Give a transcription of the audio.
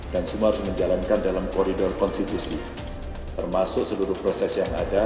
dan semua harus dijalankan dalam koridor konstitusi termasuk seluruh proses yang ada